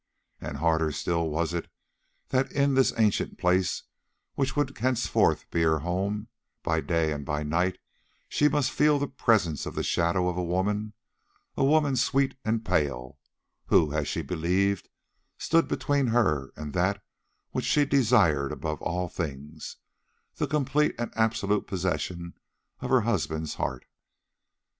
And harder still was it that in this ancient place which would henceforth be her home, by day and by night she must feel the presence of the shadow of a woman, a woman sweet and pale, who, as she believed, stood between her and that which she desired above all things—the complete and absolute possession of her husband's heart.